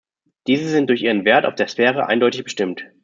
Diese sind durch ihren Wert auf der Sphäre eindeutig bestimmt.